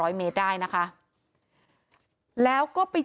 แล้วก็ไปเจอกับเช้าบ้านที่เลี้ยงบัว